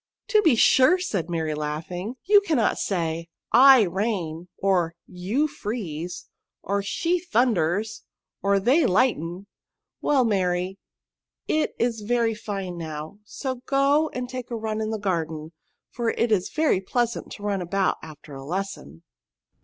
" To be sure," said Mary, laughing, *' you 166 PRONOUVS. cannot say^ I rain, or you freeze, or she thunders^ or they Ughten/* " Well, Mary, it is very fine now, so go and take a run in the garden ; for it is very pleasant to run about after a lesson."